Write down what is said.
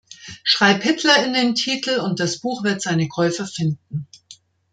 Schreib Hitler in den Titel und das Buch wird seine Käufer finden.